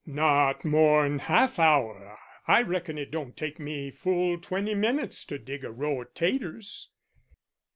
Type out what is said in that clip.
"Not more'n half hour. I reckon it don't take me full twenty minutes to dig a row o' taters."